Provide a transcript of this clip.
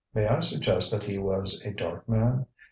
May I suggest that he was a dark man?